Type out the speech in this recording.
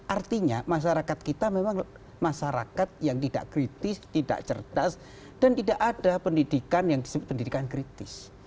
artinya masyarakat kita memang masyarakat yang tidak kritis tidak cerdas dan tidak ada pendidikan yang disebut pendidikan kritis